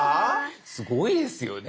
すごいですよね。